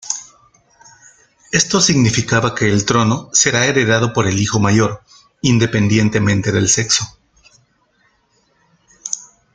Esto significaba que el trono será heredado por el hijo mayor, independientemente del sexo.